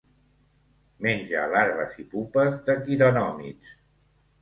Menja larves i pupes de quironòmids.